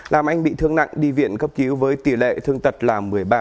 làm anh bị thương nặng đi viện cấp cứu với tỷ lệ thương tật là một mươi ba